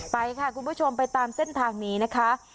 ไปค่ะคุณผู้ชมไปตามเส้นทางนี้นะคะ